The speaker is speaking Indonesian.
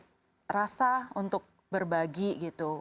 ada rasa untuk berbagi gitu